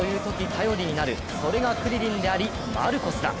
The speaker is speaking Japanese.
頼りになるそれがクリリンでありマルコスだ。